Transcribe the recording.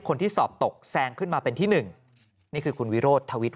คนที่สอบตกแซงขึ้นมาเป็นที่หนึ่งนี่คือคุณวิโรธทวิทย